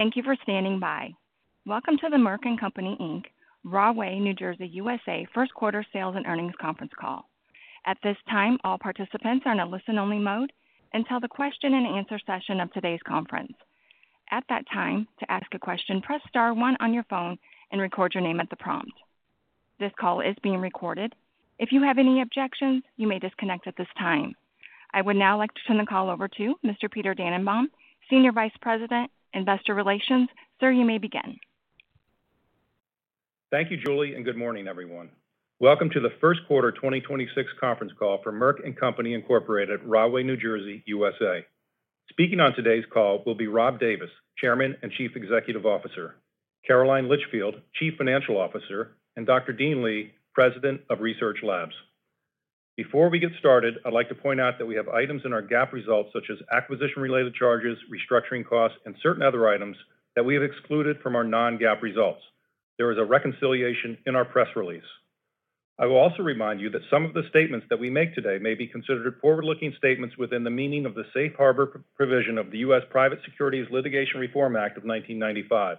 Thank you for standing by. Welcome to the Merck & Co., Inc., Rahway, New Jersey, U.S.A., Q1 sales and earnings conference call. At this time, all participants are in a listen-only mode until the Q&A session of today's conference. At that time, to ask a question, press star one on your phone and record your name at the prompt. This call is being recorded. If you have any objections, you may disconnect at this time. I would now like to turn the call over to Mr. Peter Dannenbaum, Senior Vice President, Investor Relations. Sir, you may begin. Thank you, Julie. Good morning, everyone. Welcome to the Q1 2026 conference call for Merck and Company Incorporated, Rahway, New Jersey, U.S.A. Speaking on today's call will be Rob Davis, Chairman and Chief Executive Officer, Caroline Litchfield, Chief Financial Officer, and Dr. Dean Li, President of Research Labs. Before we get started, I'd like to point out that we have items in our GAAP results, such as acquisition-related charges, restructuring costs, and certain other items that we have excluded from our non-GAAP results. There is a reconciliation in our press release. I will also remind you that some of the statements that we make today may be considered forward-looking statements within the meaning of the Safe Harbor provision of the U.S. Private Securities Litigation Reform Act of 1995.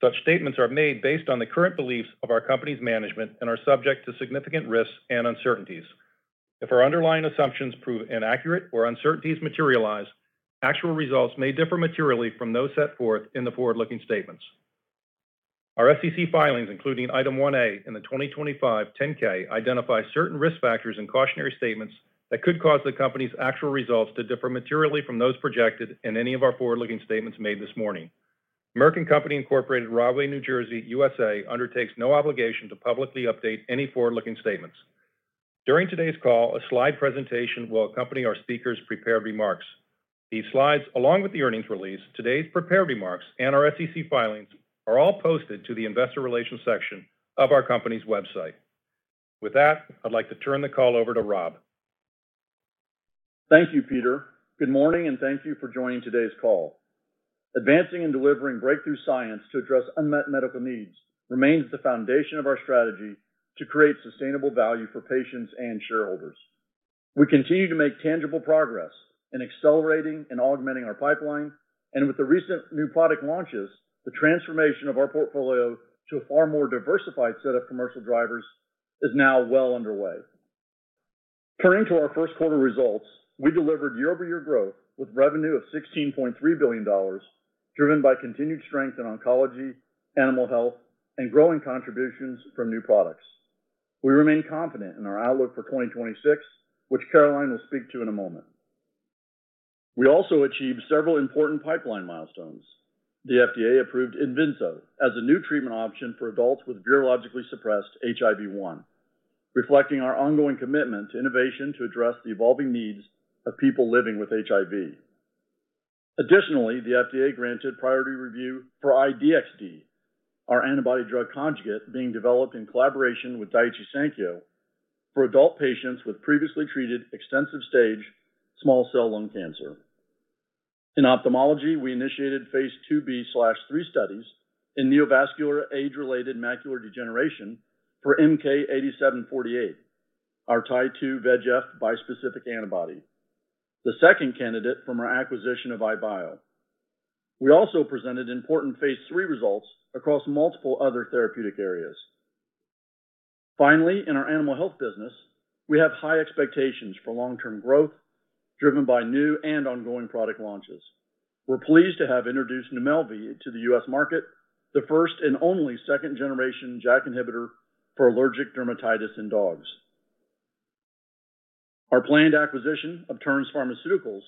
Such statements are made based on the current beliefs of our company's management and are subject to significant risks and uncertainties. If our underlying assumptions prove inaccurate or uncertainties materialize, actual results may differ materially from those set forth in the forward-looking statements. Our SEC filings, including Item 1A in the 2025 10-K, identify certain risk factors and cautionary statements that could cause the company's actual results to differ materially from those projected in any of our forward-looking statements made this morning. Merck & Co., Inc., Rahway, New Jersey, U.S.A., undertakes no obligation to publicly update any forward-looking statements. During today's call, a slide presentation will accompany our speakers' prepared remarks. These slides, along with the earnings release, today's prepared remarks, and our SEC filings, are all posted to the investor relations section of our company's website. With that, I'd like to turn the call over to Rob. Thank you, Peter. Good morning, and thank you for joining today's call. Advancing and delivering breakthrough science to address unmet medical needs remains the foundation of our strategy to create sustainable value for patients and shareholders. We continue to make tangible progress in accelerating and augmenting our pipeline. With the recent new product launches, the transformation of our portfolio to a far more diversified set of commercial drivers is now well underway. Turning to our Q1 results, we delivered year-over-year growth with revenue of $16.3 billion, driven by continued strength in oncology, Merck Animal Health, and growing contributions from new products. We remain confident in our outlook for 2026, which Caroline will speak to in a moment. We also achieved several important pipeline milestones. The FDA approved Idvynso as a new treatment option for adults with virologically suppressed HIV-1, reflecting our ongoing commitment to innovation to address the evolving needs of people living with HIV. Additionally, the FDA granted priority review for Ifinatamab deruxtecan, our antibody-drug conjugate being developed in collaboration with Daiichi Sankyo for adult patients with previously treated extensive-stage small cell lung cancer. In ophthalmology, we initiated phase II-B/III studies in neovascular age-related macular degeneration for MK-8748, our Tie-2 VEGF bispecific antibody, the second candidate from our acquisition of EyeBio. We also presented important phase III results across multiple other therapeutic areas. Finally, in our Animal Health business, we have high expectations for long-term growth driven by new and ongoing product launches. We are pleased to have introduced Numelvi to the U.S. market, the first and only second-generation JAK inhibitor for allergic dermatitis in dogs. Our planned acquisition of Terns Pharmaceuticals,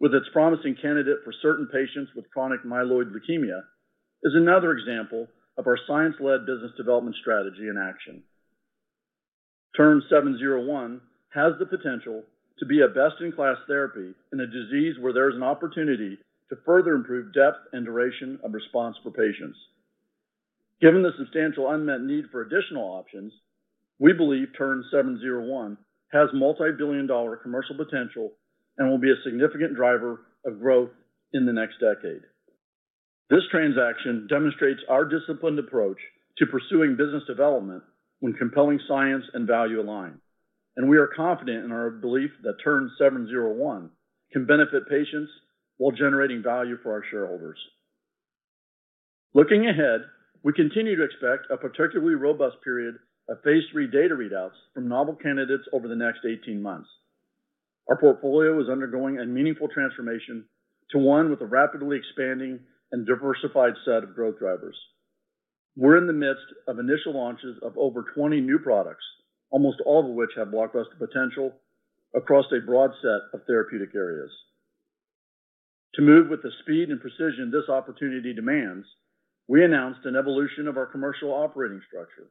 with its promising candidate for certain patients with chronic myeloid leukemia, is another example of our science-led business development strategy in action. TERN-701 has the potential to be a best-in-class therapy in a disease where there is an opportunity to further improve depth and duration of response for patients. Given the substantial unmet need for additional options, we believe TERN-701 has multibillion-dollar commercial potential and will be a significant driver of growth in the next decade. This transaction demonstrates our disciplined approach to pursuing business development when compelling science and value align. We are confident in our belief that TERN-701 can benefit patients while generating value for our shareholders. Looking ahead, we continue to expect a particularly robust period of phase III data readouts from novel candidates over the next 18 months. Our portfolio is undergoing a meaningful transformation to one with a rapidly expanding and diversified set of growth drivers. We're in the midst of initial launches of over 20 new products, almost all of which have blockbuster potential across a broad set of therapeutic areas. To move with the speed and precision this opportunity demands, we announced an evolution of our commercial operating structure.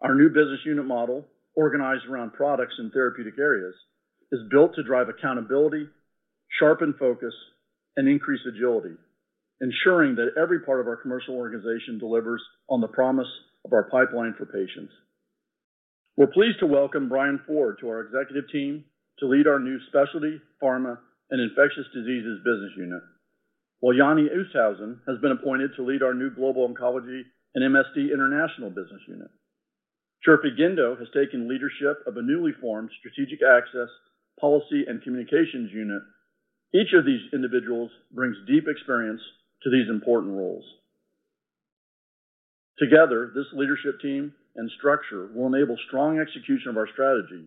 Our new business unit model, organized around products and therapeutic areas, is built to drive accountability, sharpen focus, and increase agility, ensuring that every part of our commercial organization delivers on the promise of our pipeline for patients. We're pleased to welcome Brian Foard to our Executive Team to lead our new Specialty, Pharma and Infectious Diseases Business Unit, while Jannie Oosthuizen has been appointed to lead our new Global Oncology and MSD International Business Unit. Chirfi Guindo has taken leadership of a newly formed Strategic Access, Policy and Communications Unit. Each of these individuals brings deep experience to these important roles. Together, this leadership team and structure will enable strong execution of our strategy,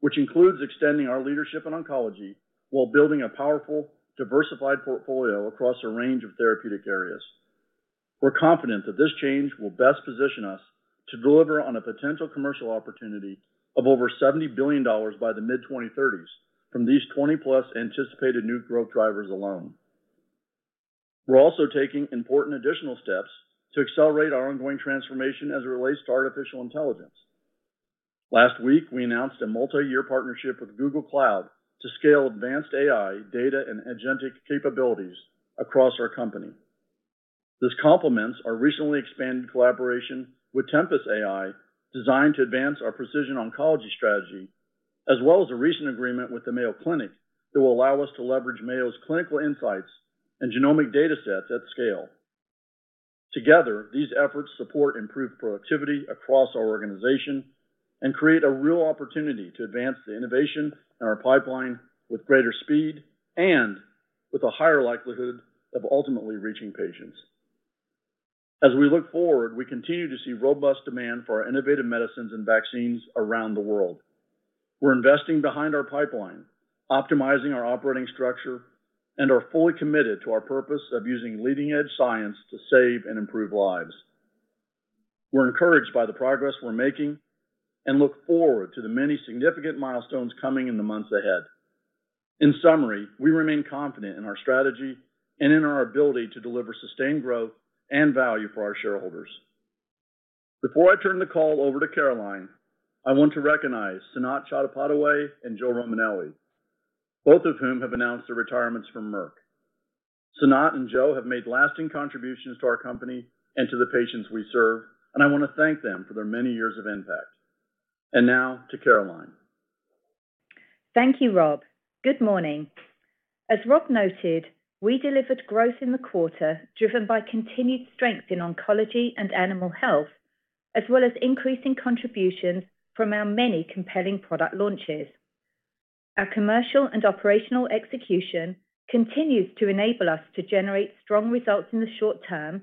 which includes extending our leadership in oncology while building a powerful, diversified portfolio across a range of therapeutic areas. We're confident that this change will best position us to deliver on a potential commercial opportunity of over $70 billion by the mid-2030s from these 20-plus anticipated new growth drivers alone. We're also taking important additional steps to accelerate our ongoing transformation as it relates to artificial intelligence. Last week, we announced a multi-year partnership with Google Cloud to scale advanced AI data and agentic capabilities across our company. This complements our recently expanded collaboration with Tempus AI, designed to advance our precision oncology strategy, as well as a recent agreement with the Mayo Clinic that will allow us to leverage Mayo's clinical insights and genomic datasets at scale. Together, these efforts support improved productivity across our organization and create a real opportunity to advance the innovation in our pipeline with greater speed and with a higher likelihood of ultimately reaching patients. As we look forward, we continue to see robust demand for our innovative medicines and vaccines around the world. We're investing behind our pipeline, optimizing our operating structure, and are fully committed to our purpose of using leading-edge science to save and improve lives. We're encouraged by the progress we're making and look forward to the many significant milestones coming in the months ahead. In summary, we remain confident in our strategy and in our ability to deliver sustained growth and value for our shareholders. Before I turn the call over to Caroline, I want to recognize Sanat Chattopadhyay and Joseph Romanelli, both of whom have announced their retirements from Merck. Sanat and Joe have made lasting contributions to our company and to the patients we serve, and I want to thank them for their many years of impact. Now to Caroline. Thank you, Rob. Good morning. As Rob noted, we delivered growth in the quarter driven by continued strength in oncology and animal health, as well as increasing contributions from our many compelling product launches. Our commercial and operational execution continues to enable us to generate strong results in the short term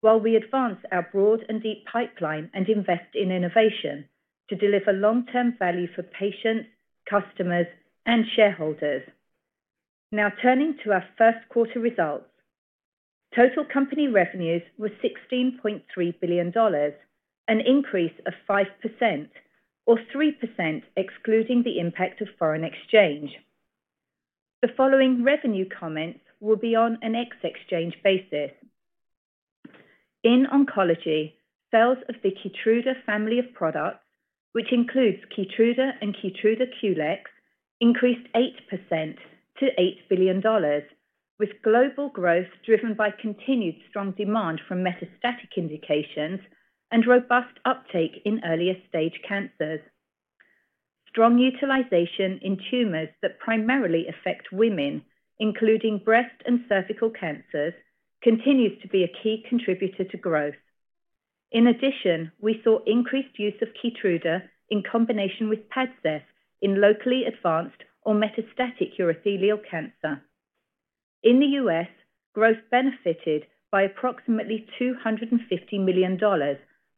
while we advance our broad and deep pipeline and invest in innovation to deliver long-term value for patients, customers, and shareholders. Turning to our Q1 results. Total company revenues were $16.3 billion, an increase of 5%, or 3% excluding the impact of foreign exchange. The following revenue comments will be on an ex-exchange basis. In oncology, sales of the KEYTRUDA family of products, which includes KEYTRUDA and KEYTRUDA QLEX, increased 8% to $8 billion, with global growth driven by continued strong demand from metastatic indications and robust uptake in earlier stage cancers. Strong utilization in tumors that primarily affect women, including breast and cervical cancers, continues to be a key contributor to growth. In addition, we saw increased use of KEYTRUDA in combination with PADCEV in locally advanced or metastatic urothelial cancer. In the U.S., growth benefited by approximately $250 million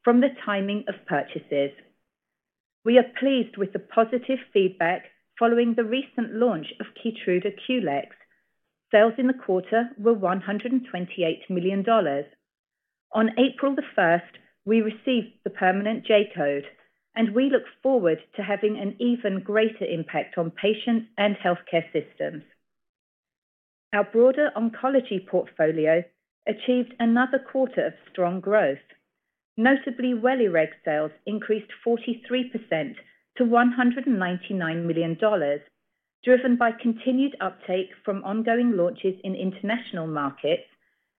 from the timing of purchases. We are pleased with the positive feedback following the recent launch of KEYTRUDA QLEX. Sales in the quarter were $128 million. On April the first, we received the permanent J-code, and we look forward to having an even greater impact on patients and healthcare systems. Our broader oncology portfolio achieved another quarter of strong growth. Notably, WELIREG sales increased 43% to $199 million, driven by continued uptake from ongoing launches in international markets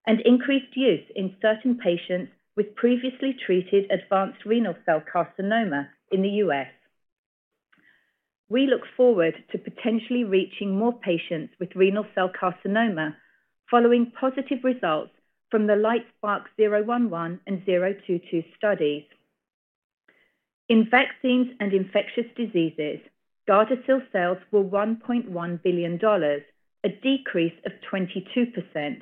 and increased use in certain patients with previously treated advanced renal cell carcinoma in the U.S. We look forward to potentially reaching more patients with renal cell carcinoma following positive results from the LITESPARK-011 and LITESPARK-022 studies. In vaccines and infectious diseases, Gardasil sales were $1.1 billion, a decrease of 22%,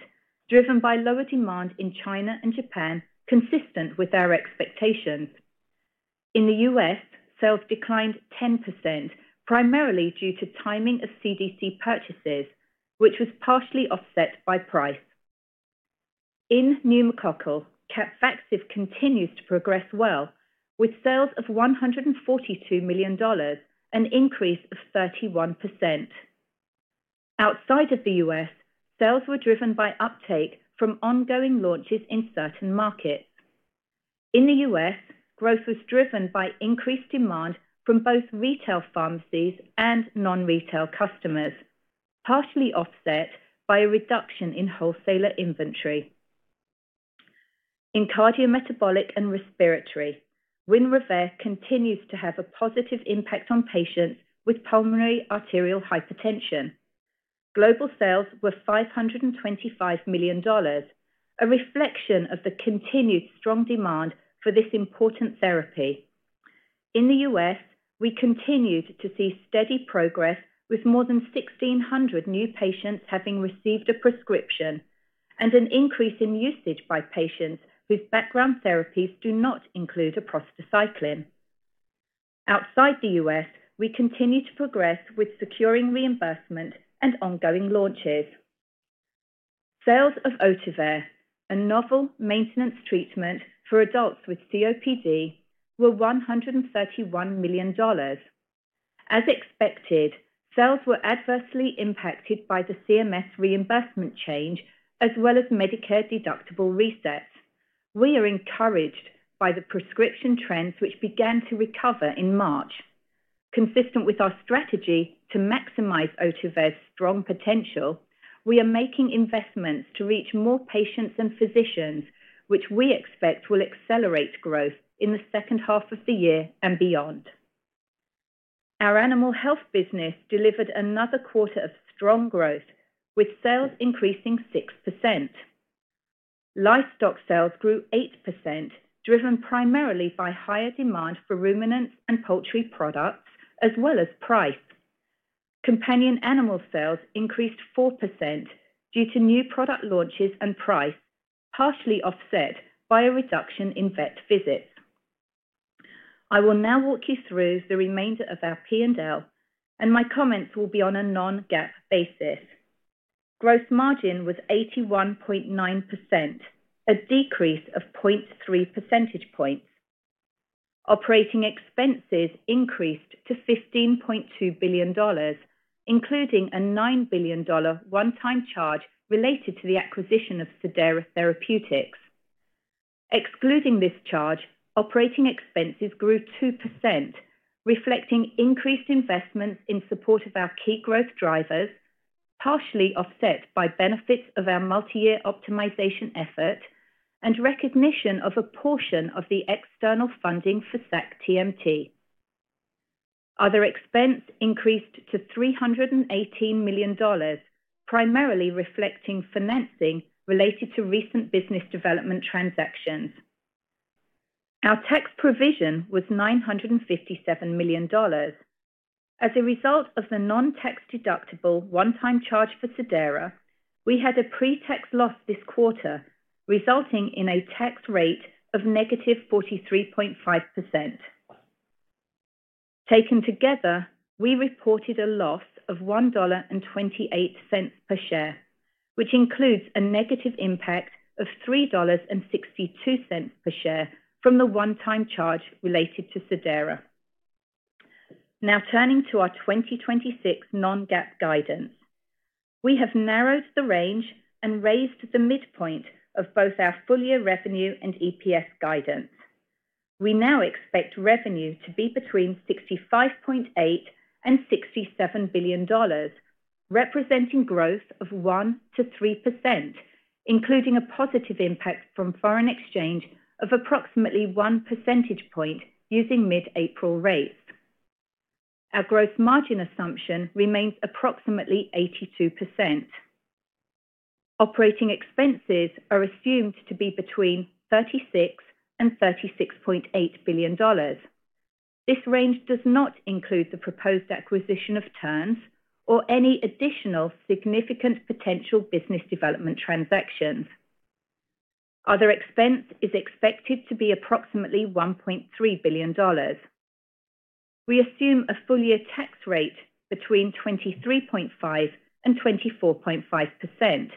driven by lower demand in China and Japan, consistent with our expectations. In the U.S., sales declined 10%, primarily due to timing of CDC purchases, which was partially offset by price. In pneumococcal, CAPVAXIVE continues to progress well, with sales of $142 million, an increase of 31%. Outside of the U.S., sales were driven by uptake from ongoing launches in certain markets. In the U.S., growth was driven by increased demand from both retail pharmacies and non-retail customers, partially offset by a reduction in wholesaler inventory. In cardiometabolic and respiratory, WINREVAIR continues to have a positive impact on patients with pulmonary arterial hypertension. Global sales were $525 million. A reflection of the continued strong demand for this important therapy. In the U.S., we continued to see steady progress with more than 1,600 new patients having received a prescription, and an increase in usage by patients with background therapies do not include a prostacyclin. Outside the U.S., we continue to progress with securing reimbursement and ongoing launches. Sales of Otivus, a novel maintenance treatment for adults with COPD, were $131 million. As expected, sales were adversely impacted by the CMS reimbursement change, as well as Medicare deductible resets. We are encouraged by the prescription trends which began to recover in March. Consistent with our strategy to maximize Otivus strong potential, we are making investments to reach more patients and physicians, which we expect will accelerate growth in the second half of the year and beyond. Our Animal Health business delivered another quarter of strong growth, with sales increasing 6%. Livestock sales grew 8%, driven primarily by higher demand for ruminants and poultry products as well as price. Companion animal sales increased 4% due to new product launches and price, partially offset by a reduction in vet visits. I will now walk you through the remainder of our P&L, and my comments will be on a non-GAAP basis. Gross margin was 81.9%, a decrease of 0.3 percentage points. Operating expenses increased to $15.2 billion, including a $9 billion one-time charge related to the acquisition of Sedera Therapeutics. Excluding this charge, operating expenses grew 2%, reflecting increased investments in support of our key growth drivers, partially offset by benefits of our multi-year optimization effort and recognition of a portion of the external funding for sac-TMT. Other expense increased to $318 million, primarily reflecting financing related to recent business development transactions. Our tax provision was $957 million. As a result of the non-tax deductible one-time charge for Sedera, we had a pre-tax loss this quarter, resulting in a tax rate of negative 43.5%. Taken together, we reported a loss of $1.28 per share, which includes a negative impact of $3.62 per share from the one-time charge related to Sedera. Now turning to our 2026 non-GAAP guidance. We have narrowed the range and raised the midpoint of both our full-year revenue and EPS guidance. We now expect revenue to be between $65.8 billion-$67 billion, representing growth of 1%-3%, including a positive impact from foreign exchange of approximately 1 percentage point using mid-April rates. Our growth margin assumption remains approximately 82%. Operating expenses are assumed to be between $36 billion-$36.8 billion. This range does not include the proposed acquisition of Terns or any additional significant potential business development transactions. Other expense is expected to be approximately $1.3 billion. We assume a full year tax rate between 23.5% and 24.5%,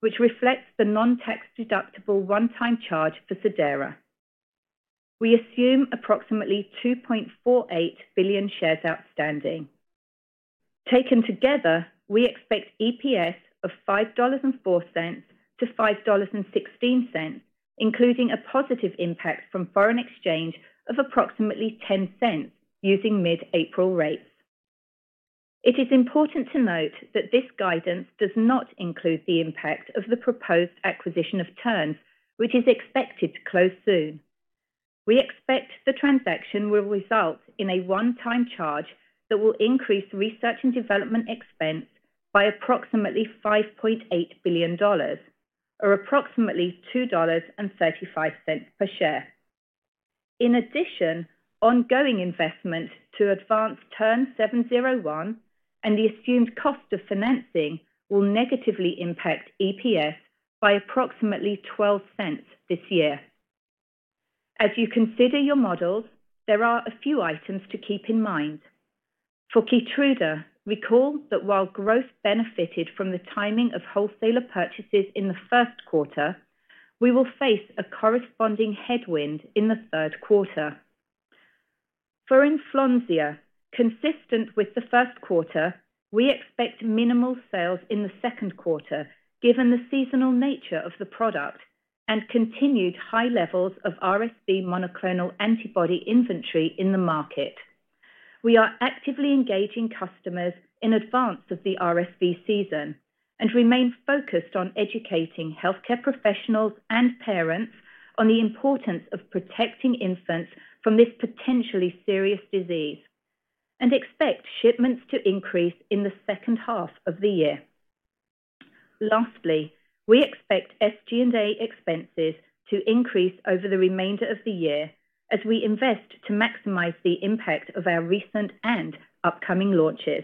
which reflects the non-tax deductible one-time charge for Sedera. We assume approximately 2.48 billion shares outstanding. Taken together, we expect EPS of $5.04-$5.16, including a positive impact from foreign exchange of approximately $0.10 using mid-April rates. It is important to note that this guidance does not include the impact of the proposed acquisition of Terns, which is expected to close soon. We expect the transaction will result in a one-time charge that will increase research and development expense by approximately $5.8 billion or approximately $2.35 per share. In addition, ongoing investment to advance TERN-701 and the assumed cost of financing will negatively impact EPS by approximately $0.12 this year. As you consider your models, there are a few items to keep in mind. For KEYTRUDA, recall that while growth benefited from the timing of wholesaler purchases in the Q1, we will face a corresponding headwind in the Q3. For Inflanzia, consistent with the Q1, we expect minimal sales in the Q2 given the seasonal nature of the product and continued high levels of RSV monoclonal antibody inventory in the market. We are actively engaging customers in advance of the RSV season. We remain focused on educating healthcare professionals and parents on the importance of protecting infants from this potentially serious disease, and expect shipments to increase in the second half of the year. Lastly, we expect SG&A expenses to increase over the remainder of the year as we invest to maximize the impact of our recent and upcoming launches.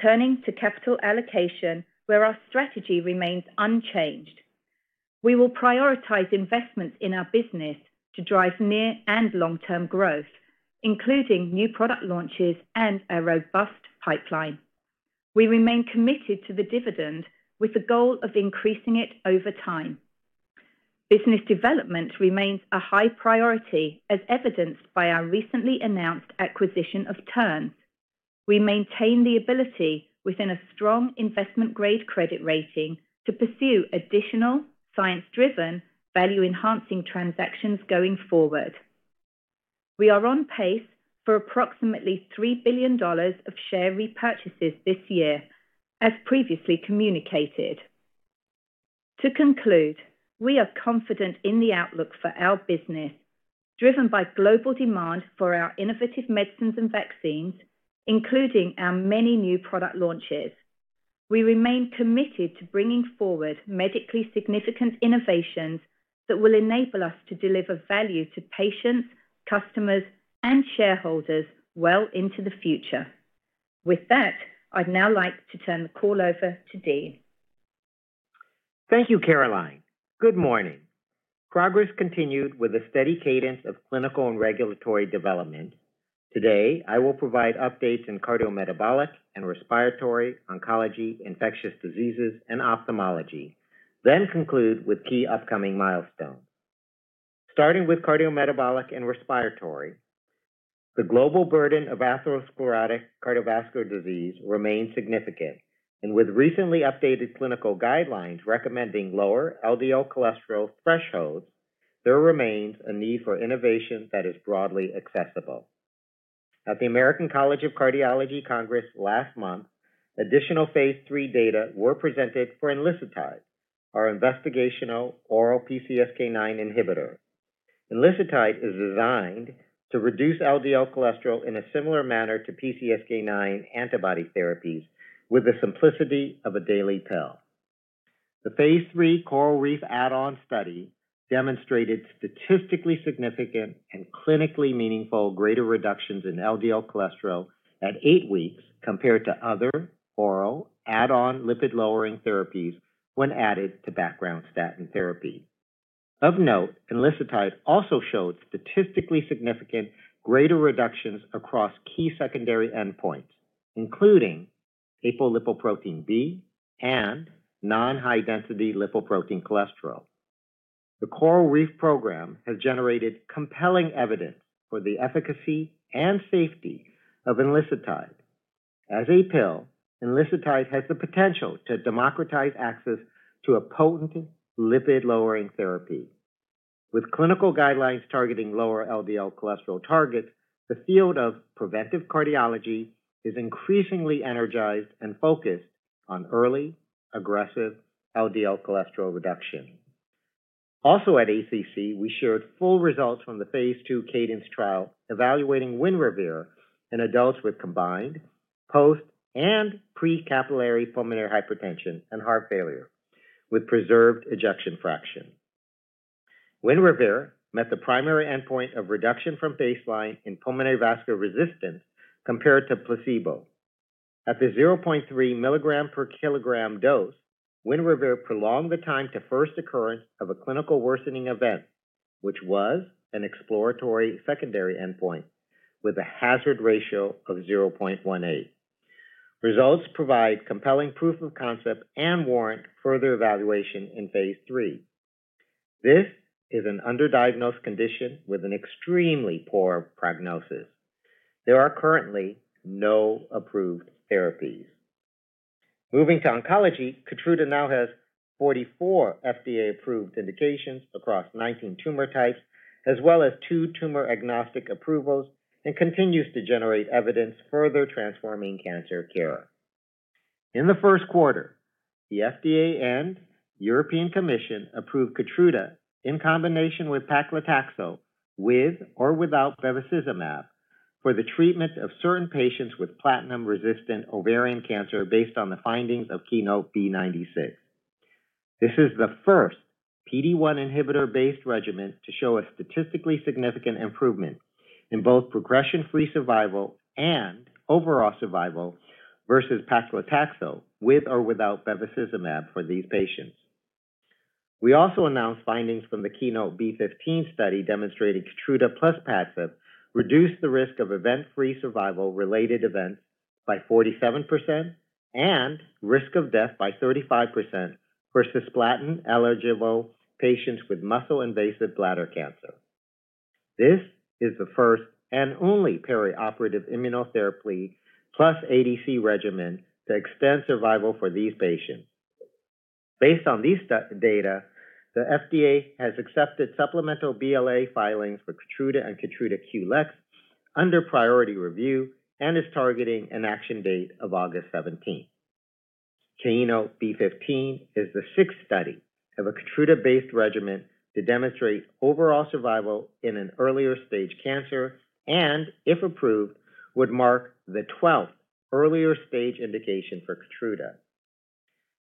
Turning to capital allocation, where our strategy remains unchanged. We will prioritize investments in our business to drive near and long-term growth, including new product launches and a robust pipeline. We remain committed to the dividend, with the goal of increasing it over time. Business development remains a high priority, as evidenced by our recently announced acquisition of Terns. We maintain the ability within a strong investment-grade credit rating to pursue additional science-driven, value-enhancing transactions going forward. We are on pace for approximately $3 billion of share repurchases this year, as previously communicated. To conclude, we are confident in the outlook for our business, driven by global demand for our innovative medicines and vaccines, including our many new product launches. We remain committed to bringing forward medically significant innovations that will enable us to deliver value to patients, customers, and shareholders well into the future. With that, I'd now like to turn the call over to Dean. Thank you, Caroline. Good morning. Progress continued with a steady cadence of clinical and regulatory development. Today, I will provide updates in cardiometabolic and respiratory, oncology, infectious diseases, and ophthalmology, then conclude with key upcoming milestones. Starting with cardiometabolic and respiratory, the global burden of atherosclerotic cardiovascular disease remains significant. With recently updated clinical guidelines recommending lower LDL cholesterol thresholds, there remains a need for innovation that is broadly accessible. At the American College of Cardiology Congress last month, additional phase III data were presented for enlicitide, our investigational oral PCSK9 inhibitor. Enlicitide is designed to reduce LDL cholesterol in a similar manner to PCSK9 antibody therapies with the simplicity of a daily pill. The phase III CORALreef add-on study demonstrated statistically significant and clinically meaningful greater reductions in LDL cholesterol at eight weeks compared to other oral add-on lipid-lowering therapies when added to background statin therapy. Of note, enlicitide also showed statistically significant greater reductions across key secondary endpoints, including apolipoprotein B and non-high-density lipoprotein cholesterol. The CORALreef program has generated compelling evidence for the efficacy and safety of enlicitide. As a pill, enlicitide has the potential to democratize access to a potent lipid-lowering therapy. With clinical guidelines targeting lower LDL cholesterol targets, the field of preventive cardiology is increasingly energized and focused on early aggressive LDL cholesterol reduction. Also at ACC, we shared full results from the phase II cadence trial evaluating WINREVAIR in adults with combined post and pre-capillary pulmonary hypertension and heart failure with preserved ejection fraction. WINREVAIR met the primary endpoint of reduction from baseline in pulmonary vascular resistance compared to placebo. At the 0.3 mg/kg dose, WINREVAIR prolonged the time to first occurrence of a clinical worsening event, which was an exploratory secondary endpoint with a hazard ratio of 0.18. Results provide compelling proof of concept and warrant further evaluation in phase III. This is an underdiagnosed condition with an extremely poor prognosis. There are currently no approved therapies. Moving to oncology, KEYTRUDA now has 44 FDA-approved indications across 19 tumor types, as well as two tumor agnostic approvals, and continues to generate evidence further transforming cancer care. In the Q1, the FDA and European Commission approved KEYTRUDA in combination with paclitaxel with or without bevacizumab for the treatment of certain patients with platinum-resistant ovarian cancer based on the findings of KEYNOTE-B96. This is the first PD-1 inhibitor-based regimen to show a statistically significant improvement in both progression-free survival and overall survival versus paclitaxel with or without bevacizumab for these patients. We also announced findings from the KEYNOTE-B15 study demonstrating KEYTRUDA plus Padcev reduced the risk of event-free survival related events by 47% and risk of death by 35% versus platinum-eligible patients with muscle-invasive bladder cancer. This is the first and only perioperative immunotherapy plus ADC regimen to extend survival for these patients. Based on these data, the FDA has accepted supplemental BLA filings for KEYTRUDA and KEYTRUDA QLEX under priority review and is targeting an action date of August seventeenth. KEYNOTE-B15 is the sixth study of a KEYTRUDA-based regimen to demonstrate overall survival in an earlier-stage cancer and, if approved, would mark the twelfth earlier-stage indication for KEYTRUDA.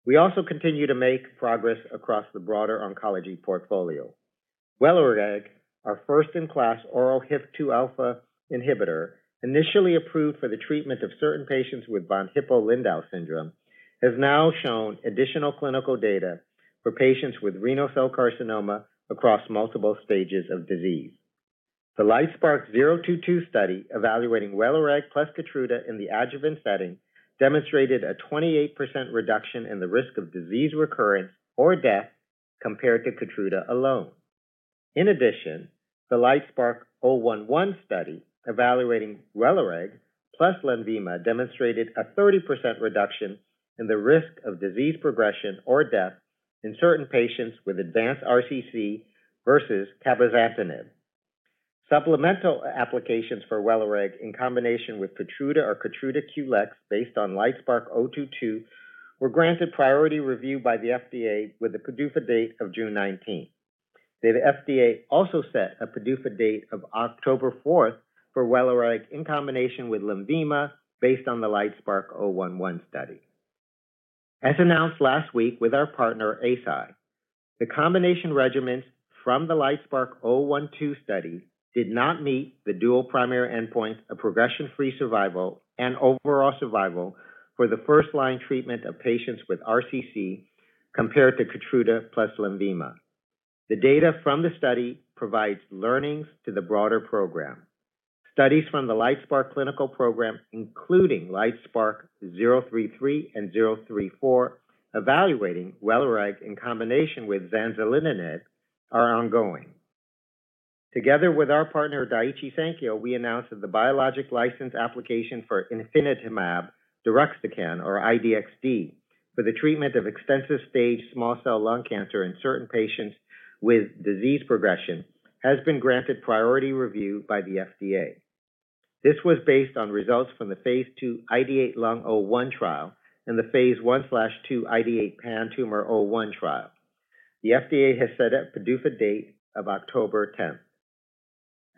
We also continue to make progress across the broader oncology portfolio. WELIREG, our first-in-class oral HIF-2α inhibitor, initially approved for the treatment of certain patients with von Hippel-Lindau syndrome, has now shown additional clinical data for patients with renal cell carcinoma across multiple stages of disease. The LITESPARK-022 study evaluating WELIREG plus KEYTRUDA in the adjuvant setting demonstrated a 28% reduction in the risk of disease recurrence or death compared to KEYTRUDA alone. The LITESPARK-011 study evaluating WELIREG plus LENVIMA demonstrated a 30% reduction in the risk of disease progression or death in certain patients with advanced RCC versus Cabozantinib. Supplemental applications for WELIREG in combination with KEYTRUDA or KEYTRUDA QLEX based on LITESPARK-022 were granted priority review by the FDA with a PDUFA date of June 19th. The FDA also set a PDUFA date of October 4th for WELIREG in combination with LENVIMA based on the LITESPARK-011 study. As announced last week with our partner Eisai, the combination regimens from the LITESPARK-012 study did not meet the dual primary endpoint of progression-free survival and overall survival for the first-line treatment of patients with RCC compared to KEYTRUDA plus LENVIMA. The data from the study provides learnings to the broader program. Studies from the LITESPARK clinical program, including LITESPARK-033 and LITESPARK-034 evaluating WELIREG in combination with zanzalintinib are ongoing. Together with our partner Daiichi Sankyo, we announced that the biologic license application for Ifinatamab deruxtecan, or IDXD, for the treatment of extensive stage small cell lung cancer in certain patients with disease progression, has been granted priority review by the FDA. This was based on results from the phase II IDeate-Lung01 trial and the phase I/II IDeate-Pantumor01 trial. The FDA has set a PDUFA date of October 10th.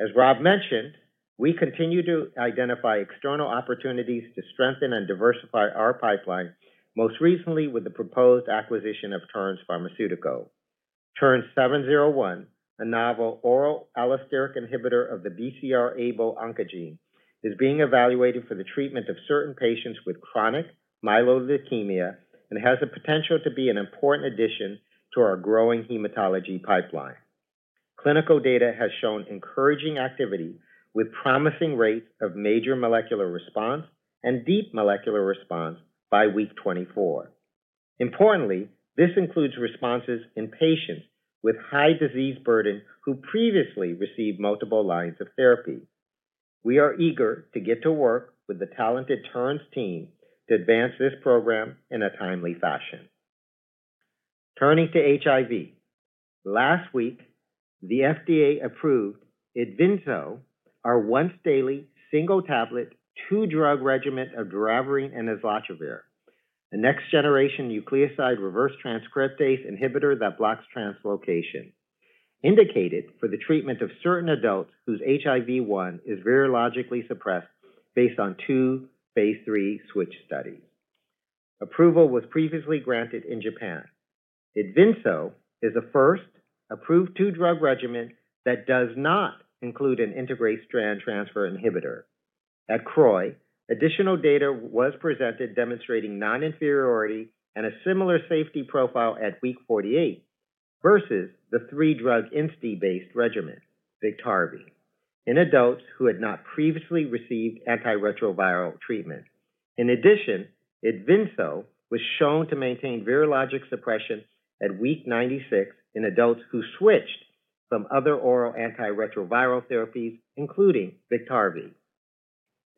As Rob mentioned, we continue to identify external opportunities to strengthen and diversify our pipeline, most recently with the proposed acquisition of Terns Pharmaceuticals. TERN-701, a novel oral allosteric inhibitor of the BCR::ABL1 oncogene, is being evaluated for the treatment of certain patients with chronic myeloid leukemia and has the potential to be an important addition to our growing hematology pipeline. Clinical data has shown encouraging activity with promising rates of major molecular response and deep molecular response by week 24. Importantly, this includes responses in patients with high disease burden who previously received multiple lines of therapy. We are eager to get to work with the talented Terns team to advance this program in a timely fashion. Turning to HIV. Last week, the FDA approved Edvinso, our once daily single tablet, two-drug regimen of doravirine and islatravir, a next-generation nucleoside reverse transcriptase inhibitor that blocks translocation indicated for the treatment of certain adults whose HIV-1 is virologically suppressed based on two phase III switch studies. Approval was previously granted in Japan. Edvinso is the first approved two-drug regimen that does not include an integrase strand transfer inhibitor. At CROI, additional data was presented demonstrating non-inferiority and a similar safety profile at week 48 versus the three-drug INSTI-based regimen Biktarvy in adults who had not previously received antiretroviral treatment. In addition, Edvinso was shown to maintain virologic suppression at week 96 in adults who switched from other oral antiretroviral therapies, including Biktarvy.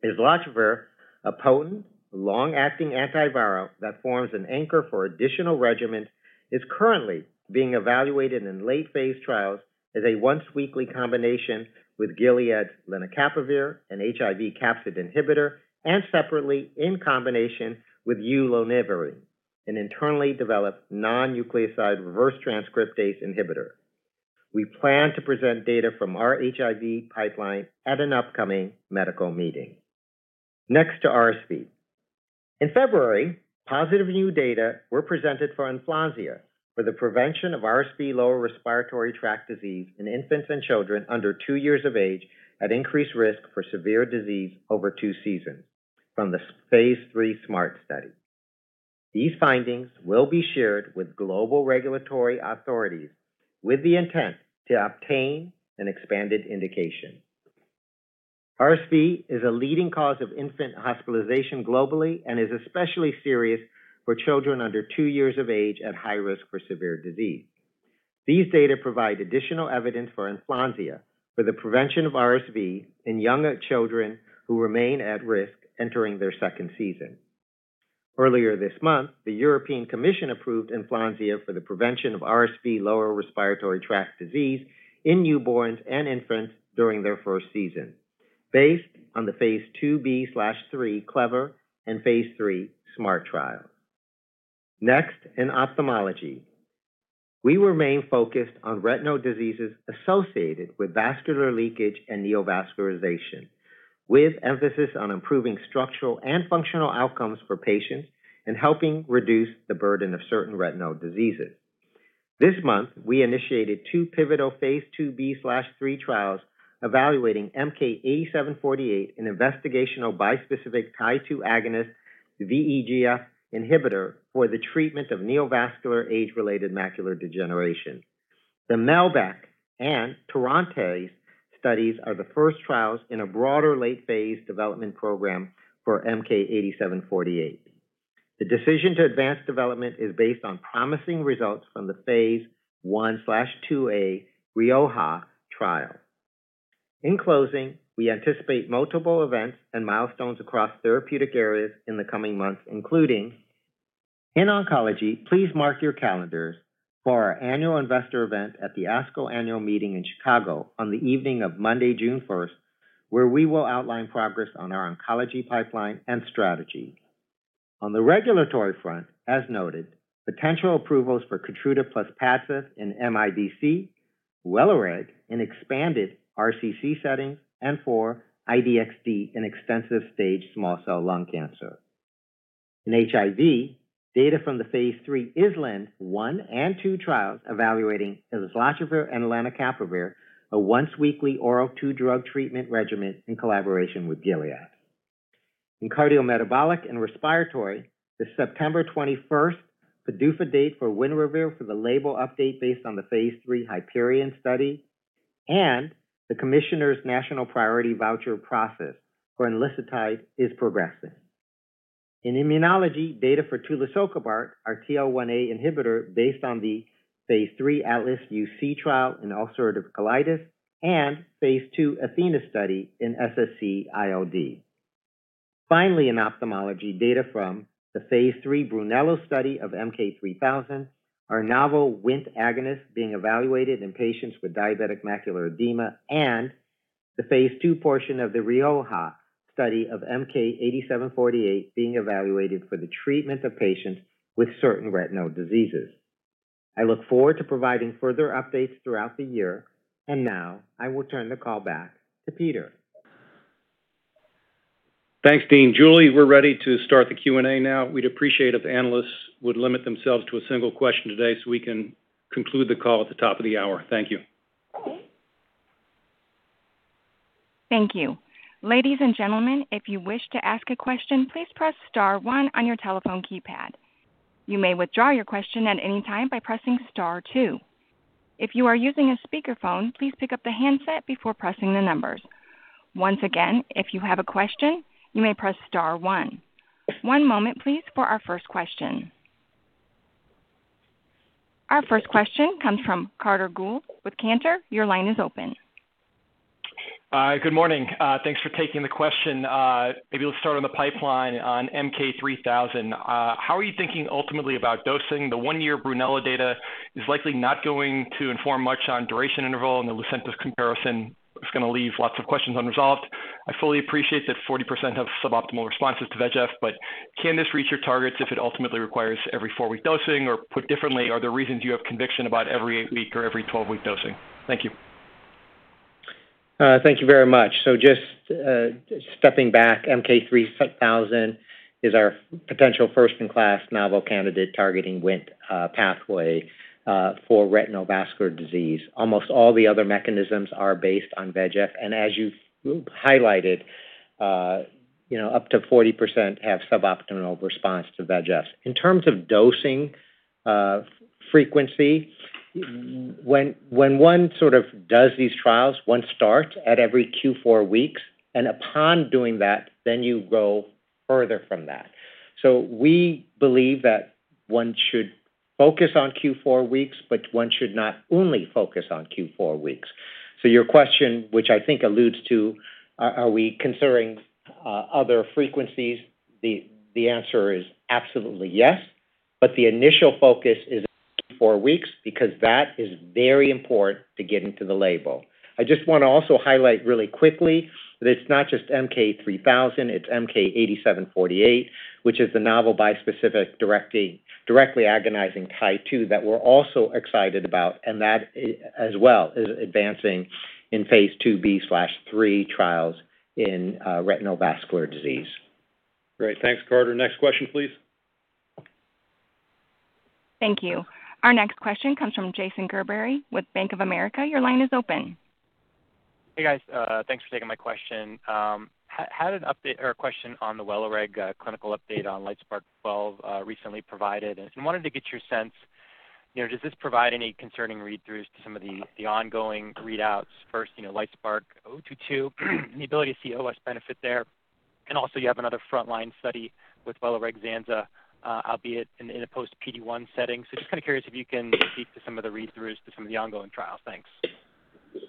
Islatravir, a potent long-acting antiviral that forms an anchor for additional regimens, is currently being evaluated in late-phase trials as a once-weekly combination with Gilead's lenacapavir and HIV capsid inhibitor, and separately in combination with Ulonivirine, an internally developed non-nucleoside reverse transcriptase inhibitor. We plan to present data from our HIV pipeline at an upcoming medical meeting. Next to RSV. In February, positive new data were presented for Inflanzia for the prevention of RSV lower respiratory tract disease in infants and children under two years of age at increased risk for severe disease over two seasons from the phase III SMART study. These findings will be shared with global regulatory authorities with the intent to obtain an expanded indication. RSV is a leading cause of infant hospitalization globally and is especially serious for children under two years of age at high risk for severe disease. These data provide additional evidence for Inflanzia for the prevention of RSV in younger children who remain at risk entering their second season. Earlier this month, the European Commission approved Inflanzia for the prevention of RSV lower respiratory tract disease in newborns and infants during their first season based on the phase II-B/III CLEVER and phase III SMART trial. Next, in ophthalmology. We remain focused on retinal diseases associated with vascular leakage and neovascularization, with emphasis on improving structural and functional outcomes for patients and helping reduce the burden of certain retinal diseases. This month, we initiated two pivotal phase II-B/III trials evaluating MK-8748, an investigational bispecific Tie-2 agonist VEGF inhibitor for the treatment of neovascular age-related macular degeneration. The MELBAC and TORONTE studies are the first trials in a broader late-phase development program for MK-8748. The decision to advance development is based on promising results from the phase I/II-A RIOJA trial. In closing, we anticipate multiple events and milestones across therapeutic areas in the coming months, including in oncology, please mark your calendars for our annual investor event at the ASCO annual meeting in Chicago on the evening of Monday, June 1, where we will outline progress on our oncology pipeline and strategy. On the regulatory front, as noted, potential approvals for KEYTRUDA plus Padcev in MIBC, WELIREG in expanded RCC settings, and for Ifinatamab deruxtecan in extensive-stage small cell lung cancer. In HIV, data from the phase III ISLAND one and two trials evaluating islatravir and lamivudine, a once-weekly oral two-drug treatment regimen in collaboration with Gilead. In cardiometabolic and respiratory, the September 21st PDUFA date for WINREVAIR for the label update based on the phase III HYPERION study and the commissioner's national priority voucher process for Enlicitide is progressing. In immunology, data for tulisokibart, our TL1A inhibitor based on the phase III ATLAS-UC trial in ulcerative colitis and phase II ATHENA study in SSc-ILD. Finally, in ophthalmology, data from the phase III BRUNELLO study of MK-3000, our novel Wnt agonist being evaluated in patients with diabetic macular edema and the phase II portion of the RIOJA study of MK-8748 being evaluated for the treatment of patients with certain retinal diseases. I look forward to providing further updates throughout the year. Now I will turn the call back to Peter. Thanks, Dean. Julie, we're ready to start the Q&A now. We'd appreciate if analysts would limit themselves to a single question today so we can conclude the call at the top of the hour. Thank you. Thank you. Ladies and gentlemen, if you wish to ask a question, please press star one on your telephone keypad. You may withdraw your question at any time by pressing star two. If you are using a speakerphone, please pick up the handset before pressing the numbers. Once again, if you have a question, you may press star one. One moment please for our first question. Our first question comes from Carter Gould with Cantor. Your line is open. Good morning. Thanks for taking the question. Maybe let's start on the pipeline on MK-3000. How are you thinking ultimately about dosing? The one-year BRUNELLO data is likely not going to inform much on duration interval, and the Lucentis comparison is gonna leave lots of questions unresolved. I fully appreciate that 40% have suboptimal responses to VEGF, but can this reach your targets if it ultimately requires every four-week dosing? Put differently, are there reasons you have conviction about every eight-week or every 12-week dosing? Thank you. Thank you very much. Just stepping back, MK-3000 is our potential first-in-class novel candidate targeting Wnt pathway for retinal vascular disease. Almost all the other mechanisms are based on VEGF. As you've highlighted, you know, up to 40% have suboptimal response to VEGF. In terms of dosing frequency, when one sort of does these trials, one starts at every Q four weeks, and upon doing that, then you go further from that. We believe that one should focus on Q four weeks, but one should not only focus on Q four weeks. Your question, which I think alludes to, are we considering other frequencies? The answer is absolutely yes, but the initial focus is four weeks because that is very important to getting to the label. I just wanna also highlight really quickly that it's not just MK-3000, it's MK-8748, which is the novel bispecific directly agonizing Tie-2 that we're also excited about, and that as well is advancing in phase II-B/III trials in retinal vascular disease. Great. Thanks, Carter. Next question, please. Thank you. Our next question comes from Jason Gerberry with Bank of America. Your line is open. Hey, guys. Thanks for taking my question. Had an update or a question on the WELIREG clinical update on LITESPARK-012 recently provided and wanted to get your sense. You know, does this provide any concerning read-throughs to some of the ongoing readouts? First, you know, LITESPARK-022, the ability to see OS benefit there? You have another frontline study with WELIREG plus zanzalintinib, albeit in a post-PD-1 setting. Just kind of curious if you can speak to some of the read-throughs to some of the ongoing trials. Thanks. Yeah.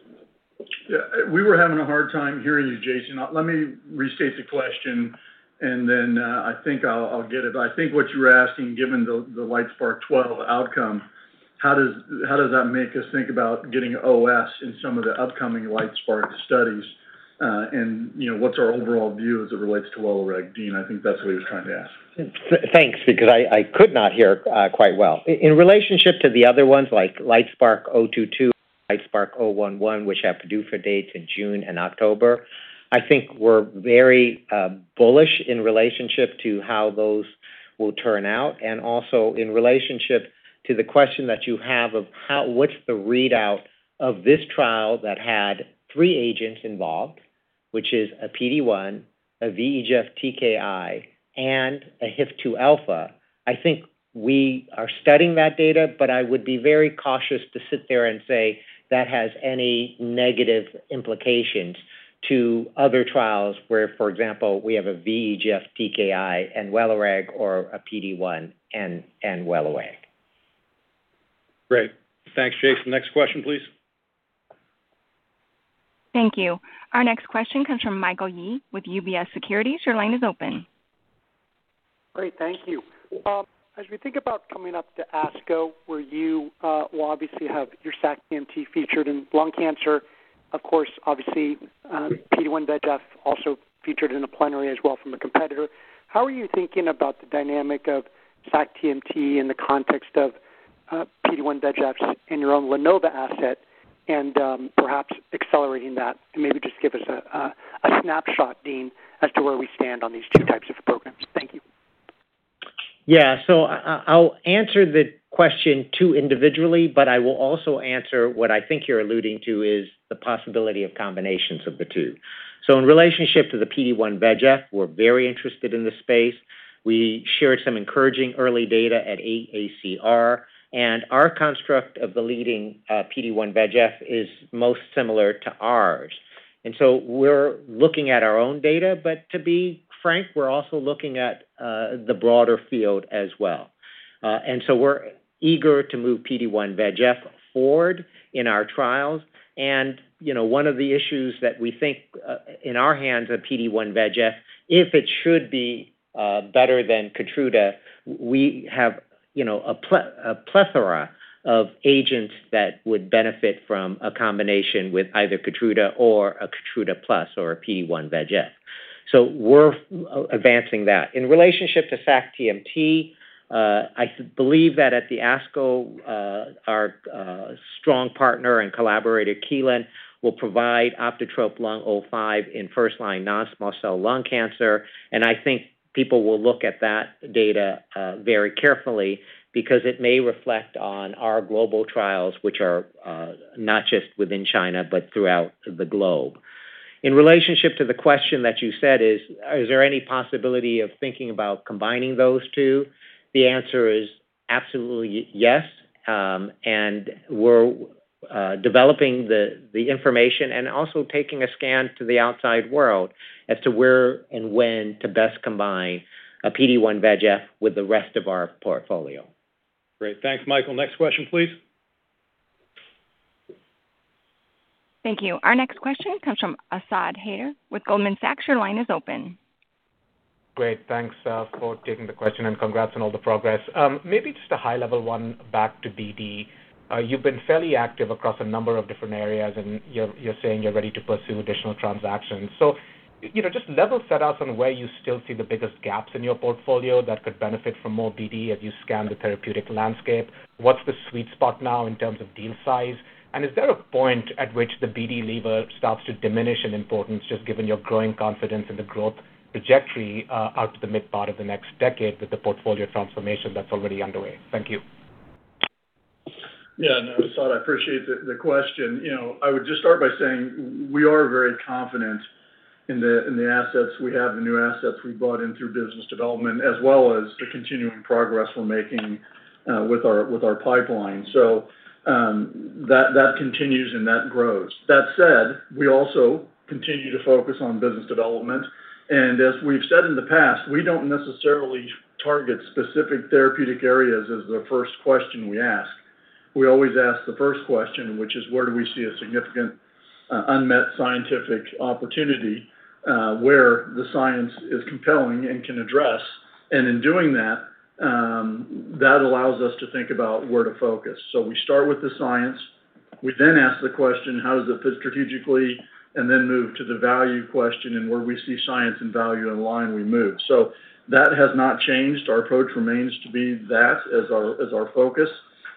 We were having a hard time hearing you, Jason. Let me restate the question, I think I'll get it. I think what you're asking, given the LITESPARK-012 outcome, how does that make us think about getting OS in some of the upcoming LITESPARK studies? You know, what's our overall view as it relates to WELIREG? Dean, I think that's what he was trying to ask. Thanks, because I could not hear quite well. In relationship to the other ones like LITESPARK-022, LITESPARK-011, which have PDUFA dates in June and October, I think we're very bullish in relationship to how those will turn out, and also in relationship to the question that you have of what's the readout of this trial that had three agents involved, which is a PD-1, a VEGF TKI, and a HIF-2α. I think we are studying that data, but I would be very cautious to sit there and say that has any negative implications to other trials where, for example, we have a VEGF TKI and WELIREG or a PD-1 and WELIREG. Great. Thanks, Jason. Next question, please. Thank you. Our next question comes from Michael Yee with UBS Securities. Your line is open. Great. Thank you. As we think about coming up to ASCO, where you will obviously have your sac-TMT featured in lung cancer, of course, obviously, PD-1 VEGF also featured in a plenary as well from a competitor. How are you thinking about the dynamic of sac-TMT in the context of PD-1 VEGF in your own LaNova asset and perhaps accelerating that? Maybe just give us a snapshot, Dean, as to where we stand on these two types of programs. Thank you. Yeah. I'll answer the question two individually, but I will also answer what I think you're alluding to is the possibility of combinations of the two. In relationship to the PD-1 VEGF, we're very interested in the space. We shared some encouraging early data at AACR, and our construct of the leading PD-1 VEGF is most similar to ours. We're looking at our own data, but to be frank, we're also looking at the broader field as well. We're eager to move PD-1 VEGF forward in our trials. You know, one of the issues that we think in our hands with PD-1 VEGF, if it should be better than KEYTRUDA, we have, you know, a plethora of agents that would benefit from a combination with either KEYTRUDA or a KEYTRUDA plus or a PD-1 VEGF. We're advancing that. In relationship to sac-TMT, I believe that at the ASCO, our strong partner and collaborator, Kelun, will provide OptiTROP-Lung05 in first-line non-small cell lung cancer, and I think people will look at that data very carefully because it may reflect on our global trials, which are not just within China but throughout the globe. In relationship to the question that you said is there any possibility of thinking about combining those two? The answer is absolutely yes, and we're developing the information and also taking a scan to the outside world as to where and when to best combine a PD-1 VEGF with the rest of our portfolio. Great. Thanks, Michael. Next question, please. Thank you. Our next question comes from Asad Haider with Goldman Sachs. Your line is open. Great. Thanks for taking the question and congrats on all the progress. Maybe just a high-level one back to BD. You've been fairly active across a number of different areas, and you're saying you're ready to pursue additional transactions. You know, just level set us on where you still see the biggest gaps in your portfolio that could benefit from more BD as you scan the therapeutic landscape. What's the sweet spot now in terms of deal size? Is there a point at which the BD lever starts to diminish in importance, just given your growing confidence in the growth trajectory out to the mid part of the next decade with the portfolio transformation that's already underway? Thank you. Yeah. No, Asad, I appreciate the question. You know, I would just start by saying we are very confident in the assets we have, the new assets we bought in through business development, as well as the continuing progress we're making with our pipeline. That continues, and that grows. That said, we also continue to focus on business development, and as we've said in the past, we don't necessarily target specific therapeutic areas as the first question we ask. We always ask the first question, which is where do we see a significant unmet scientific opportunity, where the science is compelling and can address. In doing that allows us to think about where to focus. We start with the science. We ask the question, how does it fit strategically, and then move to the value question and where we see science and value align, we move. That has not changed. Our approach remains to be that as our focus.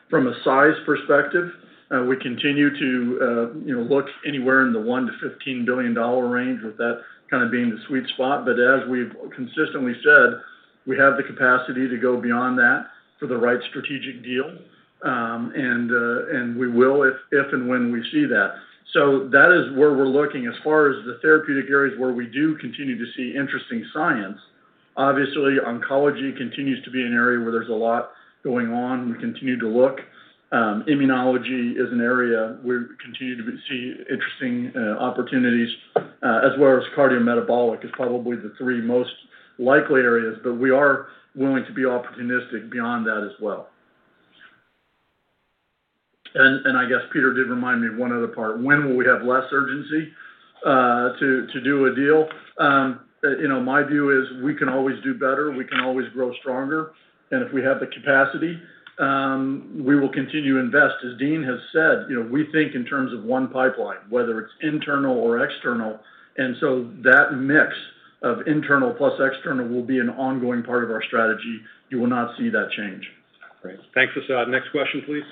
From a size perspective, we continue to, you know, look anywhere in the $1 billion-$15 billion dollar range with that kind of being the sweet spot. As we've consistently said, we have the capacity to go beyond that for the right strategic deal, and we will if and when we see that. That is where we're looking. As far as the therapeutic areas where we do continue to see interesting science Obviously, oncology continues to be an area where there's a lot going on. We continue to look. Immunology is an area where we continue to see interesting opportunities, as well as cardiometabolic is probably the three most likely areas. We are willing to be opportunistic beyond that as well. I guess Peter did remind me of one other part. When will we have less urgency to do a deal? You know, my view is we can always do better, we can always grow stronger, and if we have the capacity, we will continue to invest. As Dean has said, you know, we think in terms of one pipeline, whether it's internal or external. That mix of internal plus external will be an ongoing part of our strategy. You will not see that change. Great. Thanks, Asad. Next question, please.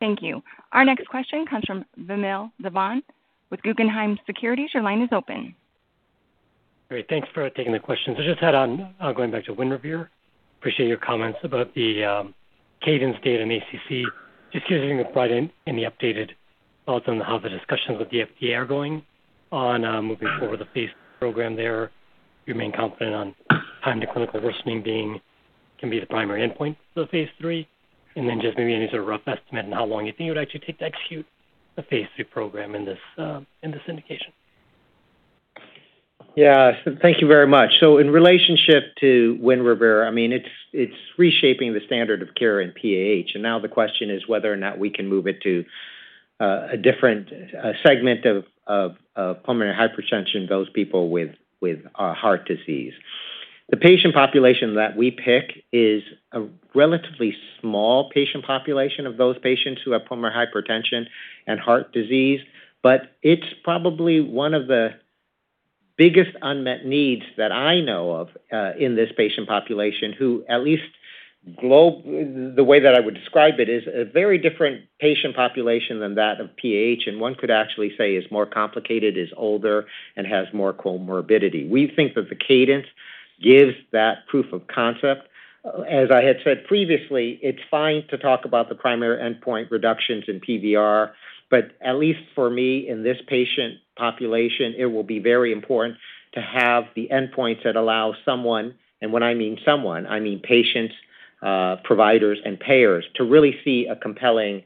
Thank you. Our next question comes from Vamil Divan with Guggenheim Securities. Your line is open. Great. Thanks for taking the questions. I just had on going back to WINREVAIR. Appreciate your comments about the CADENCE data in ACC. Just curious if you could provide any updated thoughts on how the discussions with the FDA are going on moving forward the phase program there. Do you remain confident on time to clinical worsening being the primary endpoint for phase III? Just maybe any sort of rough estimate on how long you think it would actually take to execute the phase III program in this in this indication. Thank you very much. In relationship to WINREVAIR, I mean, it's reshaping the standard of care in PAH. Now the question is whether or not we can move it to a different segment of pulmonary hypertension, those people with heart disease. The patient population that we pick is a relatively small patient population of those patients who have pulmonary hypertension and heart disease. It's probably one of the biggest unmet needs that I know of in this patient population, who at least the way that I would describe it is a very different patient population than that of PAH, and one could actually say is more complicated, is older, and has more comorbidity. We think that the CADENCE gives that proof of concept. As I had said previously, it's fine to talk about the primary endpoint reductions in PVR, but at least for me in this patient population, it will be very important to have the endpoints that allow someone, and when I mean someone, I mean patients, providers, and payers to really see a compelling,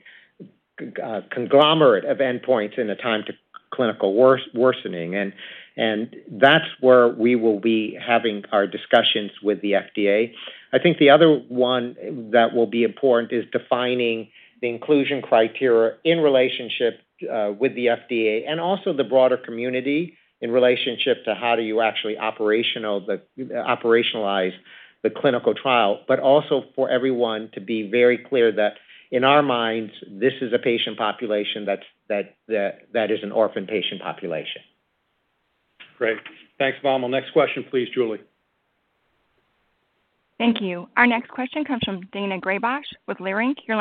conglomerate of endpoints in the time to clinical worsening. That's where we will be having our discussions with the FDA. I think the other one that will be important is defining the inclusion criteria in relationship with the FDA and also the broader community in relationship to how do you actually operationalize the clinical trial, but also for everyone to be very clear that in our minds, this is a patient population that is an orphan patient population. Great. Thanks, Vamil. Next question, please, Julie. Thank you. Our next question comes from Dane Garbisch with Leerink. Yeah.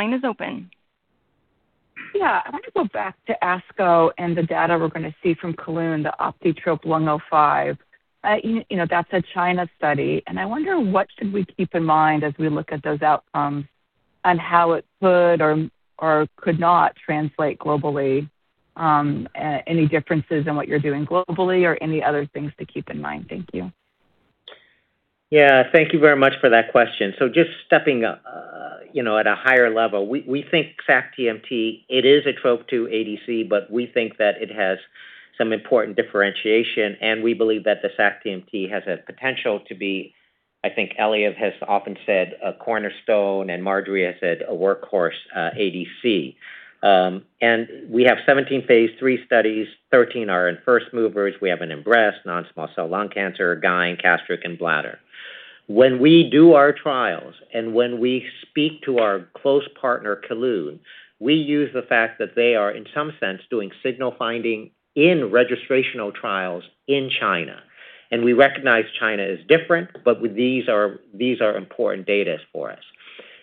I want to go back to ASCO and the data we're gonna see from Kelun-Biotech, the OptiTROP-Lung05. You know, that's a China study, and I wonder what should we keep in mind as we look at those outcomes on how it could or could not translate globally, any differences in what you're doing globally or any other things to keep in mind. Thank you. Thank you very much for that question. Just stepping up, you know, at a higher level, we think sac-TMT, it is a TROP2 ADC, but we think that it has some important differentiation, and we believe that the sac-TMT has a potential to be, I think Eliav has often said, a cornerstone, and Marjorie has said a workhorse ADC. We have 17 phase III studies. 13 are in first movers. We have it in breast, non-small cell lung cancer, GYN, gastric, and bladder. When we do our trials and when we speak to our close partner, Kelun, we use the fact that they are, in some sense, doing signal finding in registrational trials in China. We recognize China is different, but these are important data for us.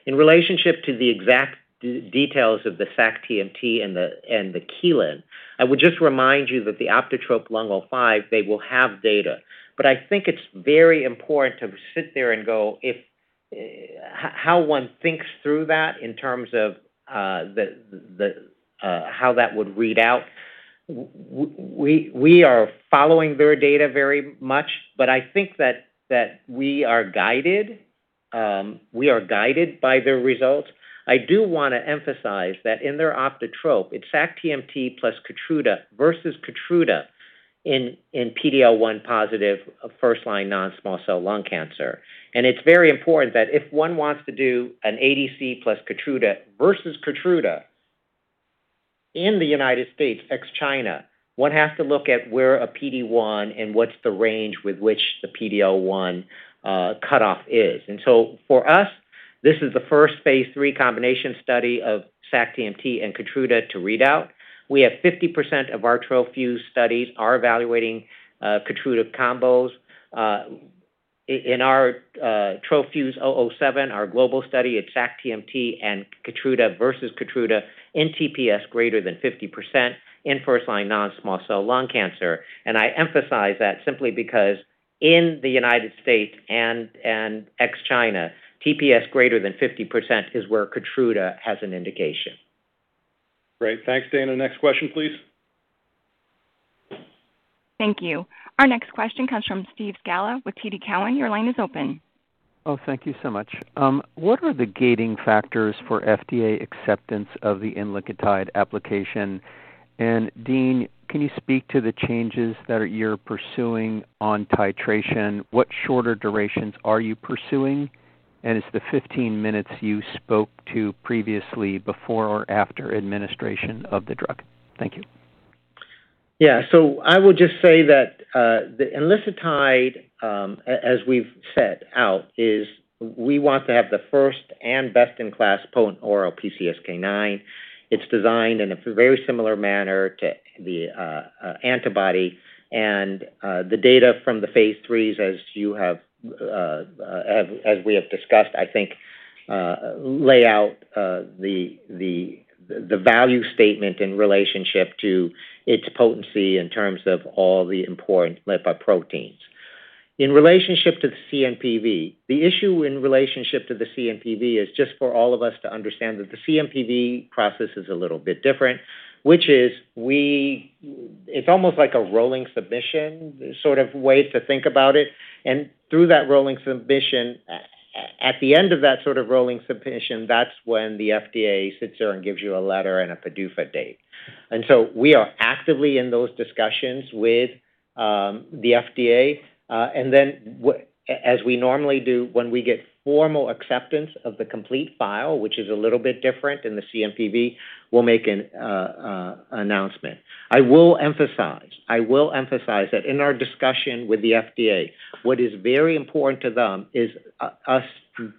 In relationship to the exact details of the sac-TMT and the Kelun, I would just remind you that the OptiTROP-Lung05, they will have data. I think it's very important to sit there and go if how one thinks through that in terms of the how that would read out, we are following their data very much, but I think that we are guided by their results. I do wanna emphasize that in their Optitrope, it's sac-TMT plus KEYTRUDA versus KEYTRUDA in PD-L1 positive, first-line non-small cell lung cancer. It's very important that if one wants to do an ADC plus KEYTRUDA versus KEYTRUDA in the U.S. ex-China, one has to look at where a PD-1 and what's the range with which the PD-L1 cutoff is. For us, this is the first phase III combination study of sac-TMT and KEYTRUDA to read out. We have 50% of our Trophos studies are evaluating KEYTRUDA combos. In our TROPHOS-007, our global study, it's sac-TMT and KEYTRUDA versus KEYTRUDA in TPS greater than 50% in first-line non-small cell lung cancer. I emphasize that simply because in the U.S. and ex-China, TPS greater than 50% is where KEYTRUDA has an indication. Great. Thanks, Dane. Next question, please. Thank you. Our next question comes from Steve Scala with TD Cowen. Oh, thank you so much. What are the gating factors for FDA acceptance of the enlicitide application? Dean, can you speak to the changes that you're pursuing on titration? What shorter durations are you pursuing? Is the 15 minutes you spoke to previously before or after administration of the drug? Thank you. Yeah. I would just say that the enlicitide, as we've set out, is we want to have the first and best-in-class potent oral PCSK9. It's designed in a very similar manner to the antibody, and the data from the phase III, as you have, as we have discussed, I think, lay out the value statement in relationship to its potency in terms of all the important lipoproteins. In relationship to the CMPV, the issue in relationship to the CMPV is just for all of us to understand that the CMPV process is a little bit different, which is it's almost like a rolling submission sort of way to think about it. Through that rolling submission, at the end of that sort of rolling submission, that's when the FDA sits there and gives you a letter and a PDUFA date. We are actively in those discussions with the FDA. As we normally do, when we get formal acceptance of the complete file, which is a little bit different in the CMPV, we'll make an announcement. I will emphasize that in our discussion with the FDA, what is very important to them is us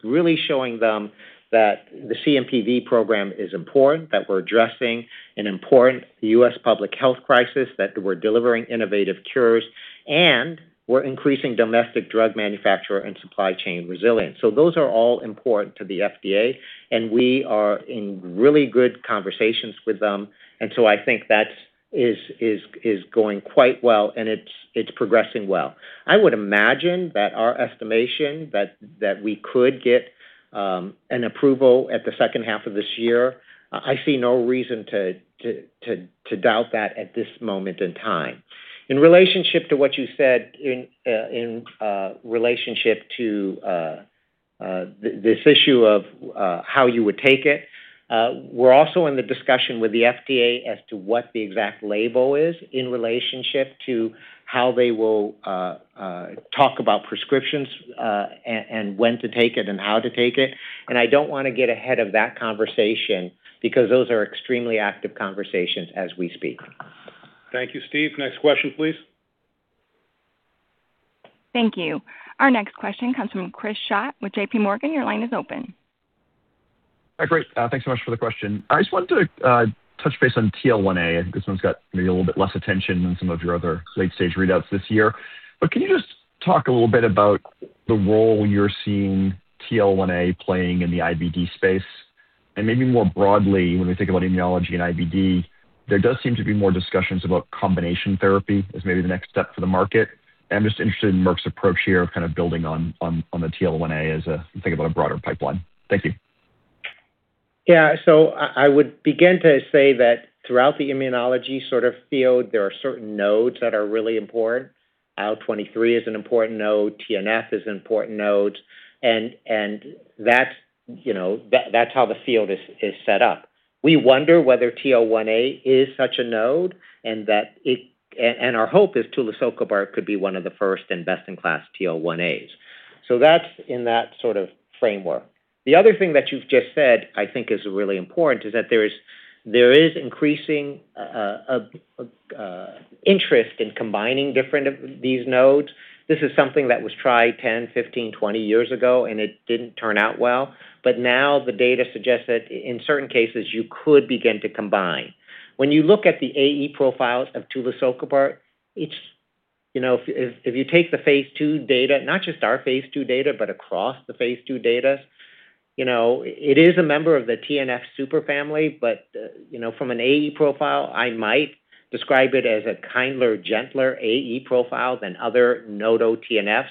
really showing them that the CMPV program is important, that we're addressing an important U.S. public health crisis, that we're delivering innovative cures, and we're increasing domestic drug manufacturer and supply chain resilience. Those are all important to the FDA, and we are in really good conversations with them. I think that is going quite well, and it's progressing well. I would imagine that our estimation that we could get an approval at the second half of this year. I see no reason to doubt that at this moment in time. In relationship to what you said in relationship to this issue of how you would take it, we're also in the discussion with the FDA as to what the exact label is in relationship to how they will talk about prescriptions and when to take it and how to take it. I don't wanna get ahead of that conversation because those are extremely active conversations as we speak. Thank you, Steve. Next question, please. Thank you. Our next question comes from Chris Schott with JPMorgan. Your line is open. Hi. Great. Thanks so much for the question. I just wanted to touch base on TL1A. I think this one's got maybe a little bit less attention than some of your other late-stage readouts this year. Can you just talk a little bit about the role you're seeing TL1A playing in the IBD space? Maybe more broadly, when we think about immunology and IBD, there does seem to be more discussions about combination therapy as maybe the next step for the market. I'm just interested in Merck's approach here of kind of building on the TL1A as you think about a broader pipeline. Thank you. Yeah. I would begin to say that throughout the immunology sort of field, there are certain nodes that are really important. IL-23 is an important node, TNF is an important node, and that's, you know, that's how the field is set up. We wonder whether TL1A is such a node and that our hope is tulisokibart could be one of the first and best-in-class TL1As. That's in that sort of framework. The other thing that you've just said, I think is really important, is that there is increasing interest in combining different of these nodes. This is something that was tried 10, 15, 20 years ago, and it didn't turn out well. Now the data suggests that in certain cases, you could begin to combine. When you look at the AE profiles of tulisokibart, it's, you know, if you take the phase II data, not just our phase II data, but across the phase II data, you know, it is a member of the TNF superfamily, but, you know, from an AE profile, I might describe it as a kinder, gentler AE profile than other TNFs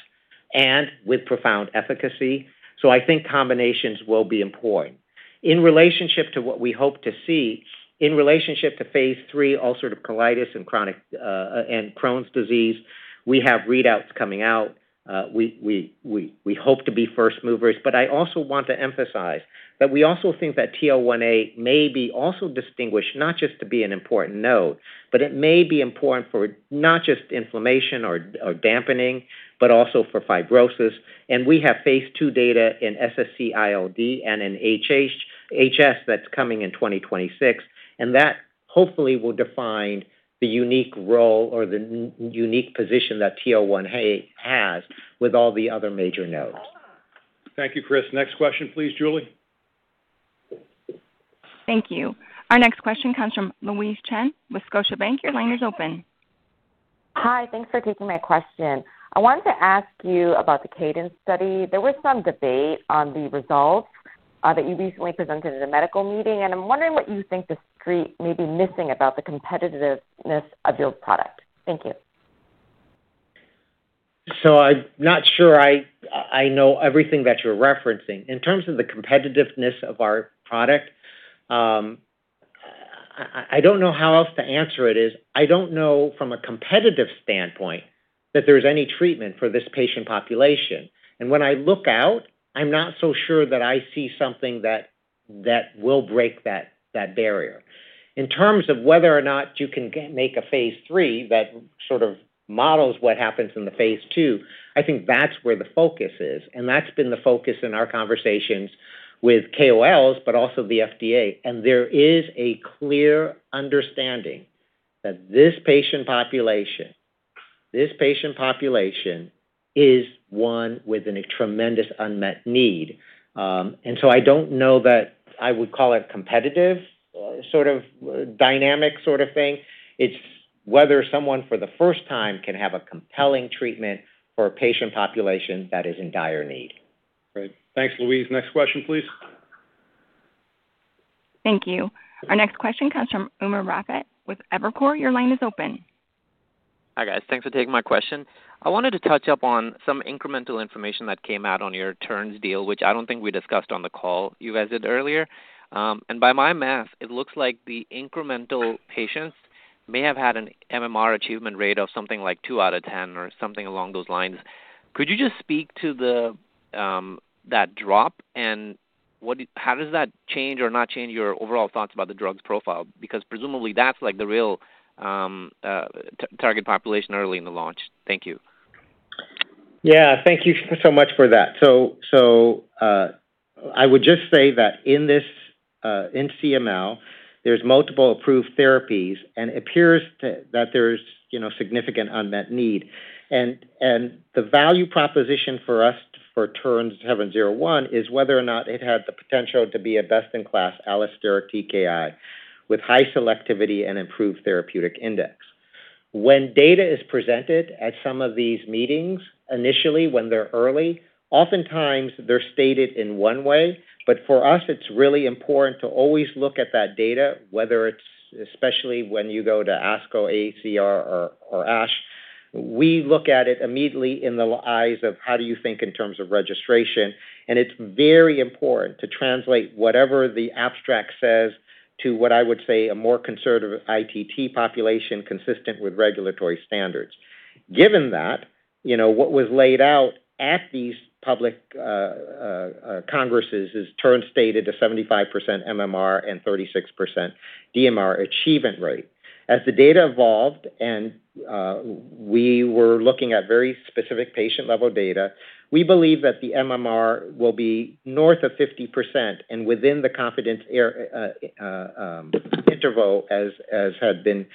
and with profound efficacy. I think combinations will be important. In relationship to what we hope to see, in relationship to phase III ulcerative colitis and chronic and Crohn's disease, we have readouts coming out. We hope to be first movers. I also want to emphasize that we also think that TL1A may be also distinguished not just to be an important node, but it may be important for not just inflammation or dampening, but also for fibrosis. We have phase II data in SSc-ILD and in HH, HS that's coming in 2026, and that hopefully will define the unique role or the unique position that TL1A has with all the other major nodes. Thank you, Chris. Next question, please, Julie. Thank you. Our next question comes from Louise Chen with Scotiabank. Your line is open. Hi. Thanks for taking my question. I wanted to ask you about the CADENCE study. There was some debate on the results that you recently presented at a medical meeting. I'm wondering what you think the street may be missing about the competitiveness of your product. Thank you. I'm not sure I know everything that you're referencing. In terms of the competitiveness of our product, I don't know how else to answer it is I don't know from a competitive standpoint that there's any treatment for this patient population. When I look out, I'm not so sure that I see something that will break that barrier. In terms of whether or not you can make a phase III that sort of models what happens in the phase II, I think that's where the focus is, and that's been the focus in our conversations with KOLs but also the FDA. There is a clear understanding that this patient population is one with a tremendous unmet need. I don't know that I would call it competitive, sort of, dynamic sort of thing. It's whether someone for the first time can have a compelling treatment for a patient population that is in dire need. Great. Thanks, Louise. Next question, please. Thank you. Our next question comes from Umer Raffat with Evercore. Your line is open. Hi, guys. Thanks for taking my question. I wanted to touch up on some incremental information that came out on your Terns deal, which I don't think we discussed on the call you guys did earlier. By my math, it looks like the incremental patients may have had an MMR achievement rate of something like two out of 10 or something along those lines. Could you just speak to the that drop, how does that change or not change your overall thoughts about the drug's profile? Presumably, that's like the real target population early in the launch. Thank you. Yeah. Thank you so much for that. I would just say that in this CML, there's multiple approved therapies, and appears to, that there's, you know, significant unmet need. The value proposition for us for TERN-701 is whether or not it had the potential to be a best-in-class allosteric TKI with high selectivity and improved therapeutic index. When data is presented at some of these meetings, initially, when they're early, oftentimes they're stated in one way, but for us it's really important to always look at that data, whether it's, especially when you go to ASCO, ACR or ASH. We look at it immediately in the eyes of how do you think in terms of registration, and it's very important to translate whatever the abstract says to what I would say a more conservative ITT population consistent with regulatory standards. Given that, you know, what was laid out at these public congresses is Terns stated a 75% MMR and 36% DMR achievement rate. As the data evolved and we were looking at very specific patient-level data, we believe that the MMR will be north of 50% and within the confidence interval as had been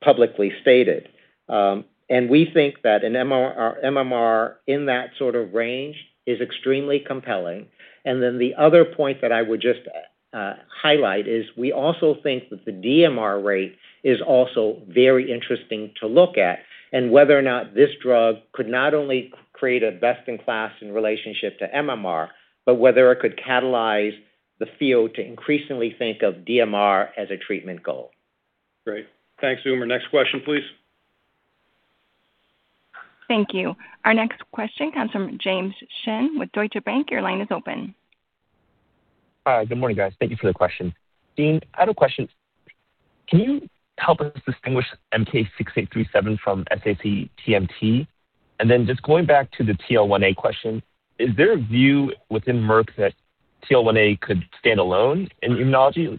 publicly stated. We think that an MMR in that sort of range is extremely compelling. Then the other point that I would just highlight is we also think that the DMR rate is also very interesting to look at, and whether or not this drug could not only create a best-in-class in relationship to MMR, but whether it could catalyze the field to increasingly think of DMR as a treatment goal. Great. Thanks, Umer. Next question, please. Thank you. Our next question comes from James Shin with Deutsche Bank. Your line is open. Hi. Good morning, guys. Thank you for the question. Dean, I had a question. Can you help us distinguish MK-6837 from sac-TMT? Then just going back to the TL1A question, is there a view within Merck that TL1A could stand alone in immunology?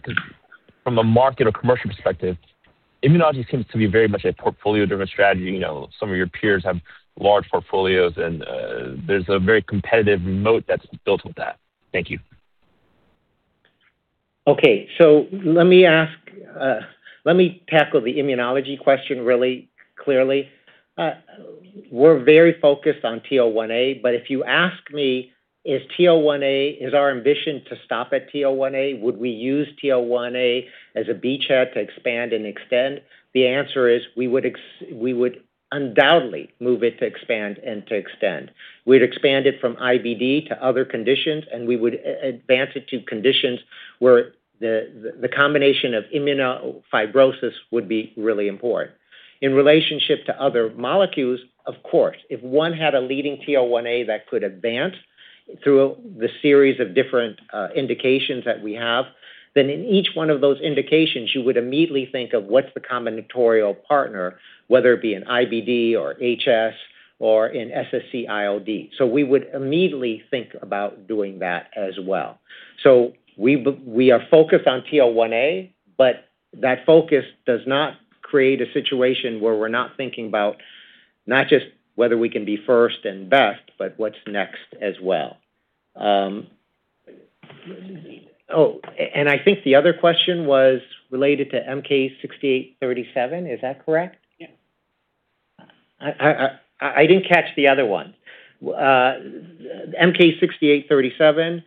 From a market or commercial perspective, immunology seems to be very much a portfolio-driven strategy. You know, some of your peers have large portfolios and there's a very competitive moat that's built with that. Thank you. Let me ask, let me tackle the immunology question really clearly. We're very focused on TL1A, but if you ask me, is TL1A our ambition to stop at TL1A, would we use TL1A as a beachhead to expand and extend? The answer is we would undoubtedly move it to expand and to extend. We'd expand it from IBD to other conditions, and we would advance it to conditions where the combination of immuno fibrosis would be really important. In relationship to other molecules, of course, if one had a leading TL1A that could advance through the series of different indications that we have, then in each one of those indications, you would immediately think of what's the combinatorial partner, whether it be in IBD or HS or in SSc-ILD. We would immediately think about doing that as well. We are focused on TL1A, but that focus does not create a situation where we're not thinking about not just whether we can be first and best, but what's next as well. I think the other question was related to MK-6837. Is that correct? Yeah. I didn't catch the other one. MK-6837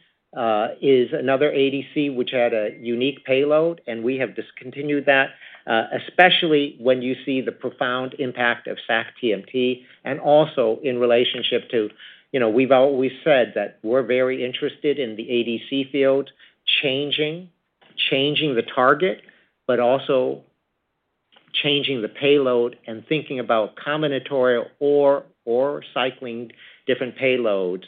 is another ADC which had a unique payload, and we have discontinued that, especially when you see the profound impact of sac-TMT and also in relationship to, you know, we've always said that we're very interested in the ADC field changing the target, but also changing the payload and thinking about combinatorial or cycling different payloads,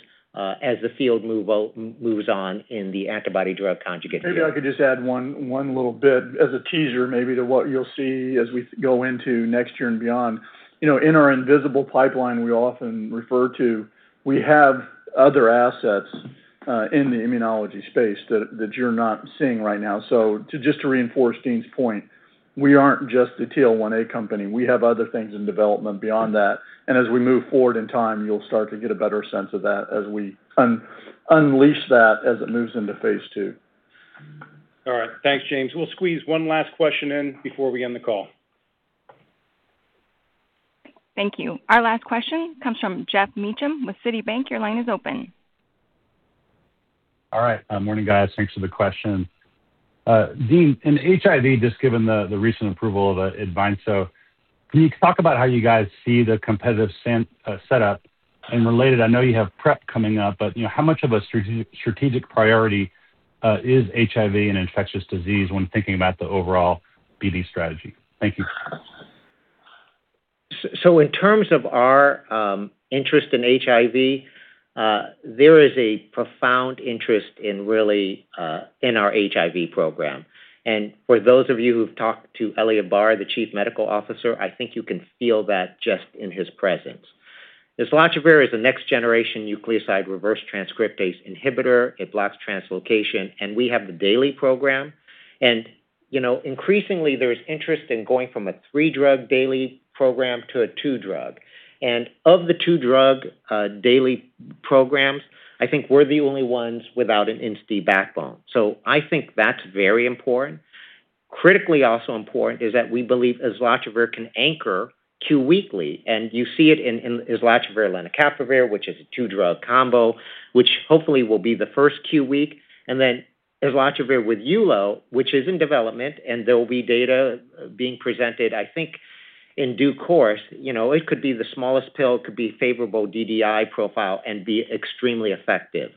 as the field moves on in the antibody drug conjugate field. Maybe I could just add one little bit as a teaser maybe to what you'll see as we go into next year and beyond. You know, in our invisible pipeline we often refer to, we have other assets in the immunology space that you're not seeing right now. Just to reinforce Dean's point, we aren't just a TL1A company. We have other things in development beyond that, and as we move forward in time, you'll start to get a better sense of that as we unleash that as it moves into phase II. All right. Thanks, James. We'll squeeze one last question in before we end the call. Thank you. Our last question comes from Geoff Meacham with Citibank. Your line is open. All right. Morning, guys. Thanks for the question. Dean, in HIV, just given the recent approval of IDVYNSO, can you talk about how you guys see the competitive setup? Related, I know you have PrEP coming up, but, you know, how much of a strategic priority is HIV and infectious disease when thinking about the overall BD strategy? Thank you. So in terms of our interest in HIV, there is a profound interest in our HIV program. For those of you who've talked to Eliav Barr, the chief medical officer, I think you can feel that just in his presence. Islatravir is a next generation nucleoside reverse transcriptase inhibitor. It blocks translocation. We have the daily program. You know, increasingly there's interest in going from a three-drug daily program to a two-drug. Of the two-drug daily programs, I think we're the only ones without an INSTI backbone. Critically also important is that we believe islatravir can anchor q-weekly, and you see it in islatravir/lamivudine, which is a two-drug combo, which hopefully will be the first q-week. Islatravir with ulonivirine, which is in development, and there will be data being presented, I think, in due course. You know, it could be the smallest pill, it could be favorable DDI profile and be extremely effective.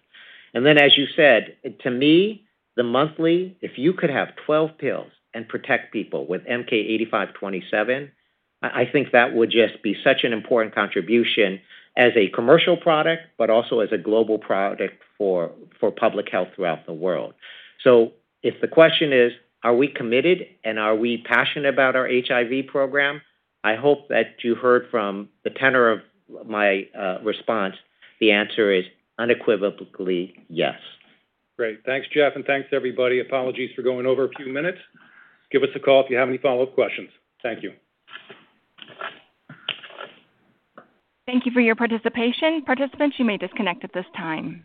As you said, to me, the monthly, if you could have 12 pills and protect people with MK-8527, I think that would just be such an important contribution as a commercial product, but also as a global product for public health throughout the world. If the question is, are we committed and are we passionate about our HIV program, I hope that you heard from the tenor of my response, the answer is unequivocally yes. Great. Thanks, Geoff, and thanks everybody. Apologies for going over a few minutes. Give us a call if you have any follow-up questions. Thank you. Thank you for your participation. Participants, you may disconnect at this time.